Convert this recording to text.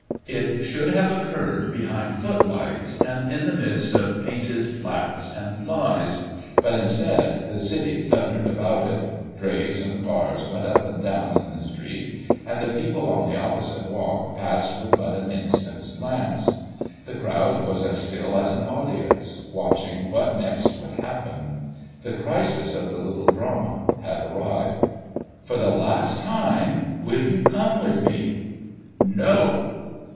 It should have occurred behind footlights and in the midst of painted flats and flies, but instead the city thundered about it, drays and cars went up and down in the street, and the people on the opposite walk passed with but an instant's glance. The crowd was as still as an audience, watching what next would happen. The crisis of the Little Drama had arrived. "For the last time, will you come with me?" "No!"